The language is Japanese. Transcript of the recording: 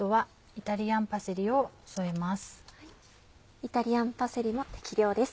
イタリアンパセリも適量です。